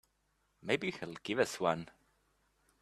Maybe he'll give us one.